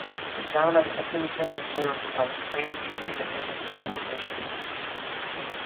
The Town of Edmonson is served by the Plainview Independent School District.